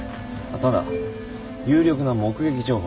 ただ有力な目撃情報が。